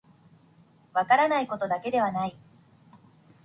分からないことだけではない